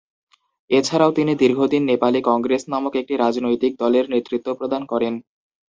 এছাড়াও, তিনি দীর্ঘদিন নেপালি কংগ্রেস নামক একটি রাজনৈতিক দলের নেতৃত্ব প্রদান করেন।